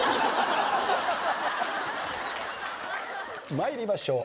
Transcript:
参りましょう。